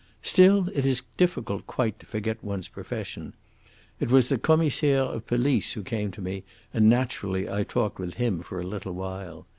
Still it is difficult quite to forget one's profession. It was the Commissaire of Police who came to me, and naturally I talked with him for a little while.